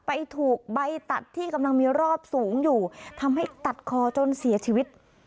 ถูกใบตัดที่กำลังมีรอบสูงอยู่ทำให้ตัดคอจนเสียชีวิต